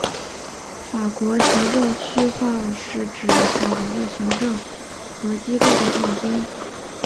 法国行政区划是指法国的行政和机构的划分。